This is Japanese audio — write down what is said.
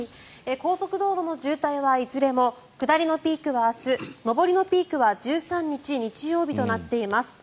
高速道路の渋滞はいずれも下りのピークは明日上りのピークは１３日日曜日となっています。